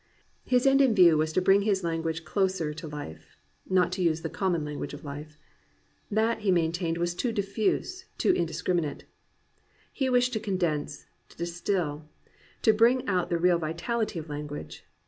His end in view was to bring his language closer to Hfe, not to use the conunon language of life. That, he maintained, was too diffuse, too indis criminate. He wished to condense, to distil, to bring out the real vitaKty of language.